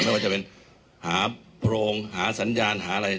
ไม่ว่าจะเป็นหาโพรงหาสัญญาณหาอะไร